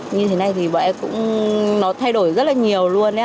như thế này thì bọn em cũng nó thay đổi rất là nhiều luôn